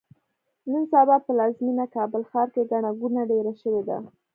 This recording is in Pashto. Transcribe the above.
نن سبا پلازمېینه کابل ښار کې ګڼه ګوڼه ډېره شوې ده.